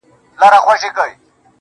دا سدی پرېږده دا سړی له سړيتوبه وځي,